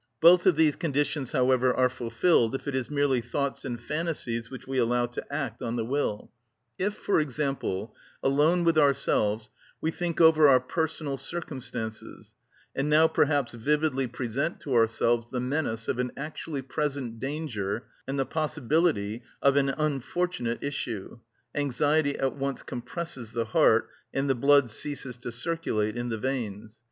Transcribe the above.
Both of these conditions, however, are fulfilled if it is merely thoughts and phantasies which we allow to act on the will. If, for example, alone with ourselves, we think over our personal circumstances, and now perhaps vividly present to ourselves the menace of an actually present danger and the possibility of an unfortunate issue, anxiety at once compresses the heart, and the blood ceases to circulate in the veins.